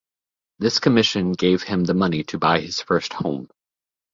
This commission gave him the money to buy his first home.